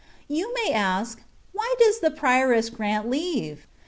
You may ask, ^^Why does the prioress grant leave?"